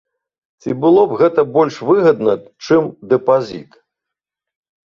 Ці было б гэта больш выгадна, чым дэпазіт?